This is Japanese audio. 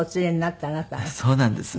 そうなんです。